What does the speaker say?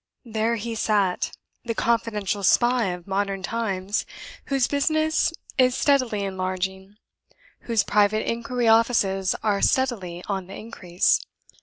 There he sat the Confidential Spy of modern times, whose business is steadily enlarging, whose Private Inquiry Offices are steadily on the increase.